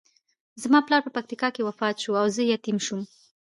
زما پلار په پکتیکا کې وفات شو او زه یتیم شوم.